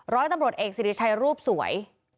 ร้อยตำรวจเอกสิริชัยรูปสวย